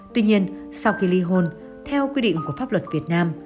tuy nhiên sau khi ly hôn theo quy định của pháp luật việt nam